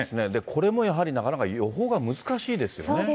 これもやはり、なかなか予報が難しいですよね。